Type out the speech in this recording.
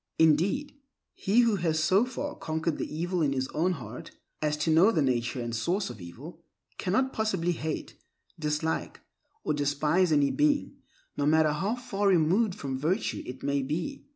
Indeed, he who has so far conquered the evil in his own heart, as to know the nature and source of evil, cannot possibly hate, dislike, or despise any being, no matter how far removed from virtue it may be.